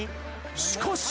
しかし。